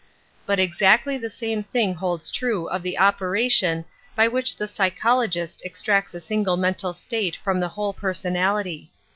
But ex actly the same thing holds true of the operation by which the psychologist ex tracts a single mental state from the whole I)ersonality.